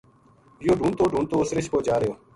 یو ہ ڈھونڈتو ڈھونڈتو اُس رچھ پو جا رہیو